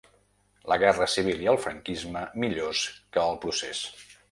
La guerra civil i el franquisme millors que el procés.